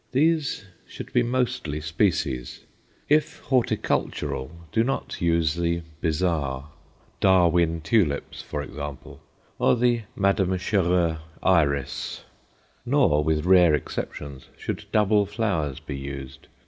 These should be mostly species; if horticultural, do not use the bizarre Darwin tulips, for example, or the Madame Chereau iris. Nor, with rare exceptions, should double flowers be used.